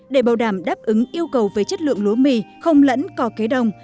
để bảo đảm đáp ứng yêu cầu về chất lượng lúa mì không lẫn cỏ cây đồng